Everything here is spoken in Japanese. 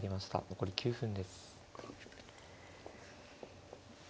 残り９分です。